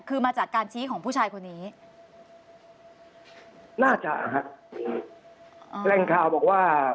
คือมาจากการชี้ของผู้ชายคนนี้น่าจะฮะแหล่งข่าวบอกว่า